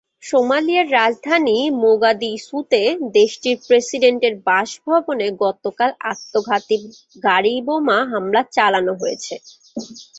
সোমালিয়ার রাজধানী মোগাদিসুতে দেশটির প্রেসিডেন্টের বাসভবনে গতকাল আত্মঘাতী গাড়িবোমা হামলা চালানো হয়েছে।